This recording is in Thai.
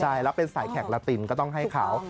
ใช่แล้วเป็นสายแขกลาตินก็ต้องให้เขา